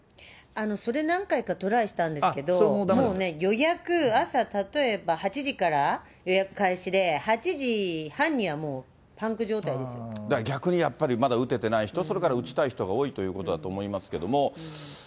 それ、何回かトライしたんですけど、もうね、予約、朝、例えば８時から予約開始で、だから逆に、やっぱりまだ打ててない人、それから打ちたい人が多いということだと思いますけども。